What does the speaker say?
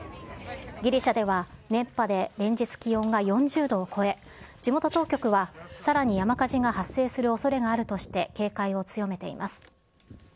ギリシャでは、熱波で連日気温が４０度を超え、地元当局は、さらに山火事が発生するおそれがあるとして、警戒を強めています。